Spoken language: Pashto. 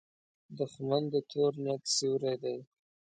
دښمن د تور نیت سیوری دی